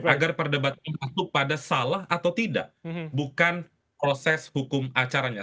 agar perdebatan masuk pada salah atau tidak bukan proses hukum acaranya